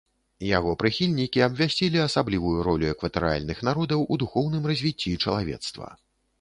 Яго прыхільнікі абвясцілі асаблівую ролю экватарыяльных народаў у духоўным развіцці чалавецтва.